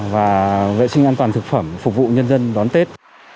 và vệ sinh an toàn thực phẩm phục vụ nhân dân đón tết